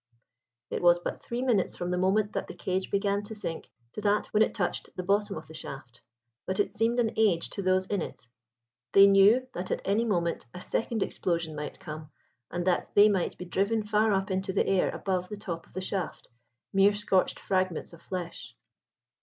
It was but three minutes from the moment that the cage began to sink to that when it touched the bottom of the shaft, but it seemed an age to those in it. They knew that at any moment a second explosion might come, and that they might be driven far up into the air above the top of the shaft, mere scorched fragments of flesh.